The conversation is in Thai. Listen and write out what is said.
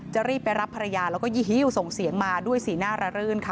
รีบไปรับภรรยาแล้วก็ยี่ส่งเสียงมาด้วยสีหน้าระรื่นค่ะ